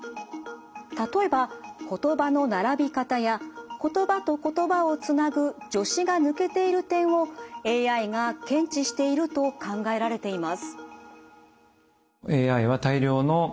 例えば言葉の並び方や言葉と言葉をつなぐ助詞が抜けている点をＡＩが検知していると考えられています。